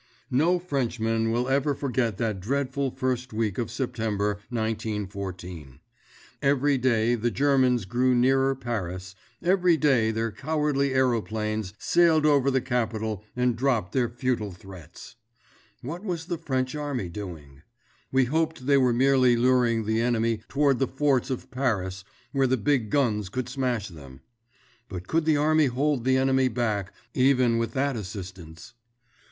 No Frenchman will ever forget that dreadful first week of September, 1914. Every day the Germans grew nearer Paris, every day their cowardly aeroplanes sailed over the capital and dropped their futile threats. What was the French army doing? We hoped they were merely luring the enemy toward the forts of Paris where the big guns could smash them. But could the army hold the enemy back, even with that assistance?